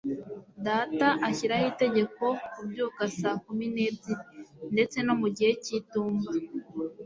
data ashyiraho itegeko kubyuka saa kumi n'ebyiri, ndetse no mu gihe cy'itumba